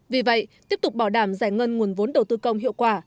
vì vậy tiếp tục bảo đảm giải ngân nguồn vốn đầu tư công hiệu quả